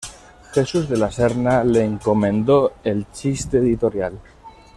Jesús de la Serna le encomendó el chiste editorial.